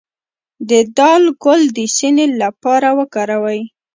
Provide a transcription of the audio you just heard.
د دال ګل د سینې لپاره وکاروئ